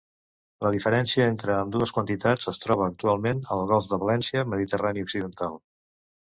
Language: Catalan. La diferència entre ambdues quantitats es troba actualment al Golf de València, Mediterrani Occidental.